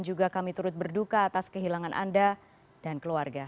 juga kami turut berduka atas kehilangan anda dan keluarga